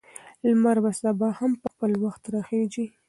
لمر به سبا هم په خپل وخت راخیژي.